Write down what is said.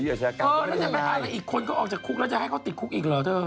อีกคนก็ออกจากคุกแล้วจะให้เขาติดคุกอีกเหรอเธอ